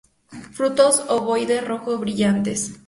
Frutos ovoides rojo brillantes.